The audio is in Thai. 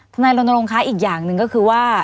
นายรณรงค์อีกอย่างหนึ่งก็คือว่า